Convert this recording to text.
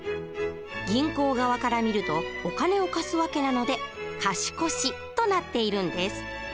銀行側から見るとお金を貸す訳なので「貸越」となっているんです。